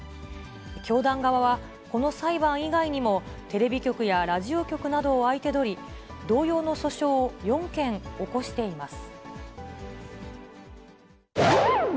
教団側は、この裁判以外にも、テレビ局やラジオ局などを相手取り、同様の訴訟を４件起こしています。